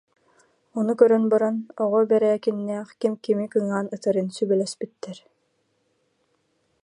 Ону көрөн баран, Оҕо Бэрээкиннээх ким кими кыҥаан ытарын сүбэлэспиттэр